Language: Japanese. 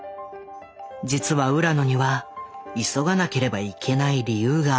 実は浦野には急がなければいけない理由があった。